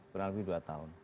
kurang lebih dua tahun